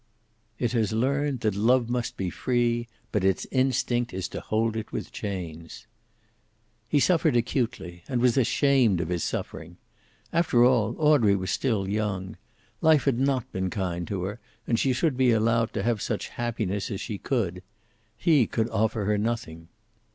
It has learned that love must be free, but its instinct is to hold it with chains. He suffered acutely, and was ashamed of his suffering. After all, Audrey was still young. Life had not been kind to her, and she should be allowed to have such happiness as she could. He could offer her nothing.